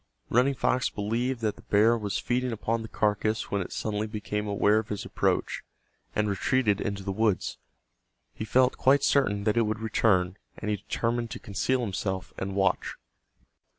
Running Fox believed that the bear was feeding upon the carcass when it suddenly became aware of his approach, and retreated into the woods. He felt quite certain that it would return, and he determined to conceal himself and watch.